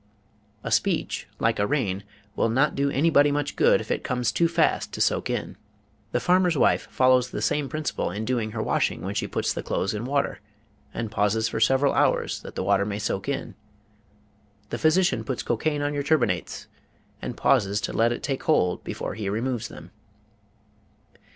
A speech, like a rain, will not do anybody much good if it comes too fast to soak in. The farmer's wife follows this same principle in doing her washing when she puts the clothes in water and pauses for several hours that the water may soak in. The physician puts cocaine on your turbinates and pauses to let it take hold before he removes them.